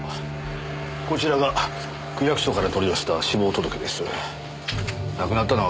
こちらが区役所から取り寄せた死亡届です。